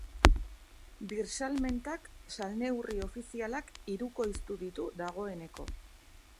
Birsalmentak salneurri ofizialak hirukoiztu ditu dagoeneko.